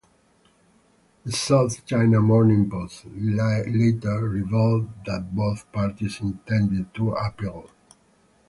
The "South China Morning Post" later revealed that both parties intended to appeal.